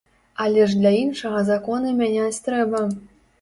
Але ж для іншага законы мяняць трэба!